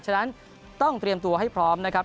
ฉะนั้นต้องเตรียมตัวให้พร้อมนะครับ